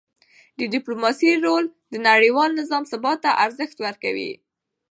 د ډیپلوماسی رول د نړیوال نظام ثبات ته ارزښت ورکوي.